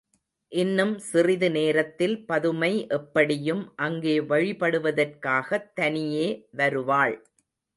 இன்னும் சிறிது நேரத்தில் பதுமை எப்படியும் அங்கே வழிபடுவதற்காகத் தனியே வருவாள்.